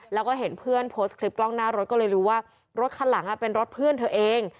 แล้วก็เห็นเพื่อนโพสต์คลิปกล้องหน้ารถก็เลยรู้ว่ารถคันหลังเป็นรถเพื่อนเธอเอง